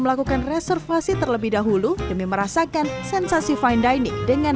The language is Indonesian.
melakukan reservasi terlebih dahulu demi merasakan sensasi fine dining dengan